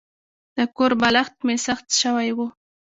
د کور بالښت مې سخت شوی و.